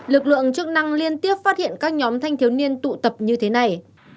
lực lượng chức năng liên tiếp phát hiện các nhóm thanh thiếu niên tụ tập như thế này